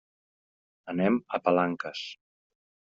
Anem a Palanques.